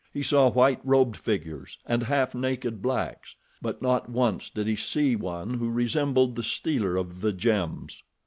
He saw white robed figures, and half naked blacks; but not once did he see one who resembled the stealer of the gems.